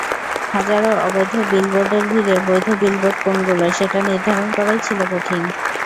হাজারো অবৈধ বিলবোর্ডের ভিড়ে বৈধ বিলবোর্ড কোনগুলো, সেটা নির্ধারণ করাই ছিল কঠিন।